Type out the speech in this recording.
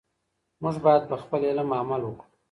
موږ باید په خپل علم عمل وکړو.